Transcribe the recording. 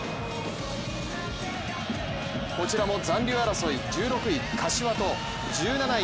こちらも残留争い、１６位柏と１７位